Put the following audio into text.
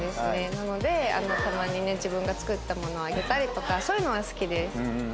なのでたまにね自分が作ったものをあげたりとかそういうのは好きです。